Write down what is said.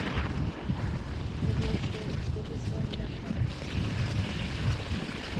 寝坊して遅刻しそうになった